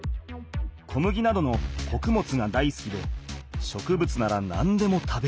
小麦などのこくもつがだいすきで植物なら何でも食べる。